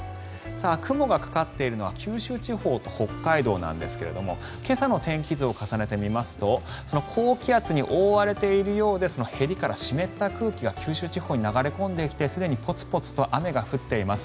雲がかかっているのは九州地方と北海道なんですが今朝の天気図を重ねてみますと高気圧に覆われているようでへりから湿った空気が九州地方に流れ込んできてすでにポツポツと雨が降っています。